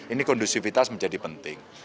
ini kondusivitas menjadi penting